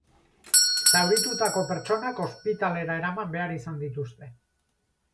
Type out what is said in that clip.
Zauritutako pertsonak ospitalera eraman behar izan dituzte.